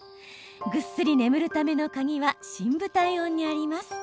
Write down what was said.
ぐっすり眠るための鍵は深部体温にあります。